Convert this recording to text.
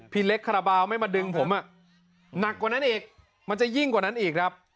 เล็กคาราบาลไม่มาดึงผมหนักกว่านั้นอีกมันจะยิ่งกว่านั้นอีกครับ